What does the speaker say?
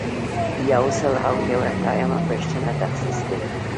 یو سل او یو اتیایمه پوښتنه تخصیص دی.